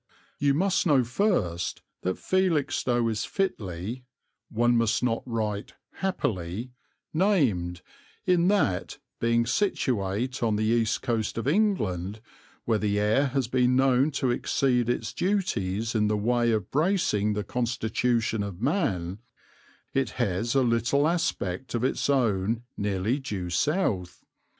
You must know first that Felixstowe is fitly, one must not write "happily," named, in that, being situate on the east coast of England, where the air has been known to exceed its duties in the way of bracing the constitution of man, it has a little aspect of its own nearly due south.